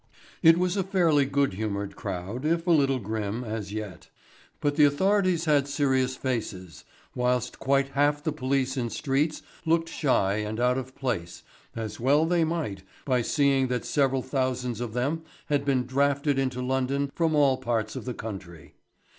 It was a fairly good humoured crowd, if a little grim, as yet. But the authorities had serious faces, whilst quite half the police in streets looked shy and out of place as well they might be seeing that several thousand of them had been drafted into London from all parts of the country.